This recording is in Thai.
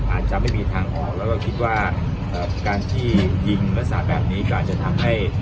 อาจจะไม่มีทางออกแล้วก็คิดว่าการที่ยิงลักษณะแบบนี้ก็อาจจะทำให้